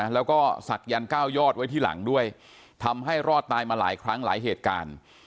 แล้วก็ศักยันต์เก้ายอดไว้ที่หลังด้วยทำให้รอดตายมาหลายครั้งหลายเหตุการณ์